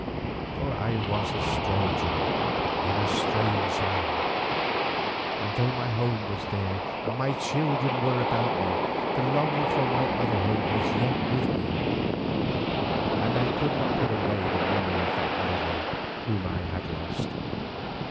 For I was a stranger in a strange land, and though my home was there and my children were about me, the longing for my other home was yet with me, and I could not put away the memory of that Lily whom I had lost.